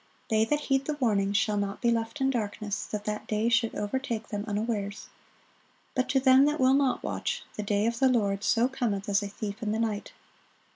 They that heed the warning shall not be left in darkness, that that day should overtake them unawares. But to them that will not watch, "the day of the Lord so cometh as a thief in the night."